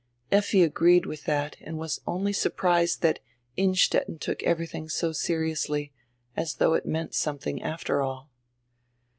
Effi agreed widi diat and was only surprised diat Innstetten took everything so seriously, as diough it meant somediing after all.